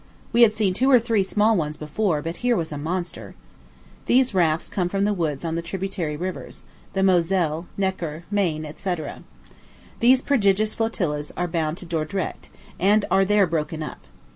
We had seen two or three small ones before, but here was a monster. These rafts come from the woods on the tributary rivers the Moselle, Neckar, Maine, &c. These prodigious flotillas are bound to Dordrecht, and are there broken up.